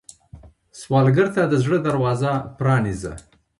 سوالګر ته د زړه دروازه پرانیزه